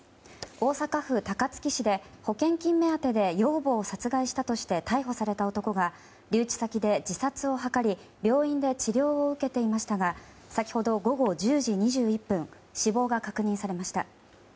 大阪府高槻市で保険金目当てで養母を殺害したとして逮捕された男が留置先で自殺を図り病院で治療を受けていましたが先ほど午後１０時２１分死亡が確認されました。